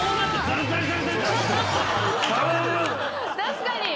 確かに。